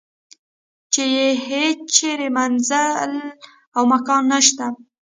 چې یې هیچرې منزل او مکان نشته.